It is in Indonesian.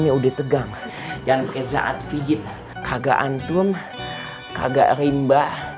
aneh udah tegang jangan pake zaat pijit kagak antum kagak rimba